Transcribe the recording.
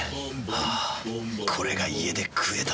あぁこれが家で食えたなら。